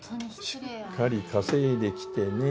しっかり稼いできてね。